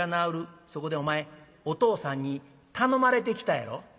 そこでお前お父さんに頼まれて来たやろ？」。